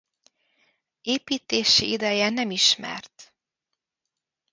Építési ideje nem ismert.